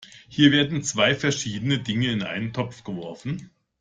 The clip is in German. Hier werden zwei verschiedene Dinge in einen Topf geworfen.